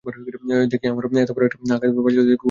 দেখিয়া আমার মনে এতবড়ো একটা আঘাত বাজিল যে ঘরে থাকিতে পারিলাম না।